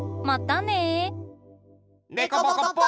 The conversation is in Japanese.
またね！